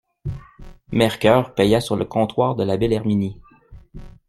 Mercœur paya sur le comptoir de la belle Herminie.